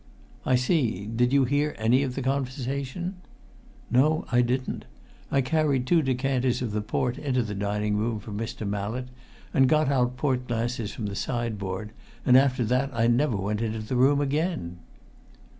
"I see. Did you hear any of the conversation?" "No, I didn't. I carried two decanters of the port into the dining room for Mr. Mallett, and got out port glasses from the sideboard, and after that I never went into the room again."